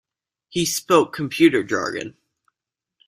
He spoke computer jargon.